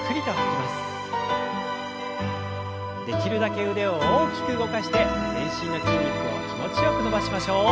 できるだけ腕を大きく動かして全身の筋肉を気持ちよく伸ばしましょう。